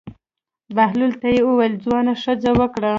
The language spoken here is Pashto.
بهلول ته یې وویل: ځوانه ښځه وکړه.